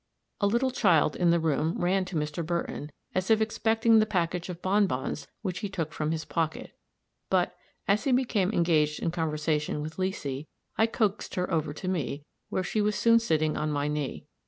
A little child in the room ran to Mr. Burton, as if expecting the package of bon bons which he took from his pocket; but, as he became engaged in conversation with Leesy, I coaxed her over to me, where she was soon sitting on my knee.